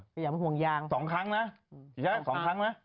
ขยำห่วงยางสองครั้งนะใช่ไหมสองครั้งนะ